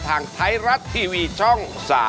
ทางไทยรัฐทีวีช่อง๓๒